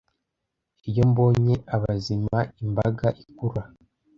iyo mbonye abazima imbaga ikura